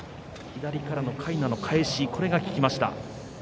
左からのかいなの返しそれが効きました。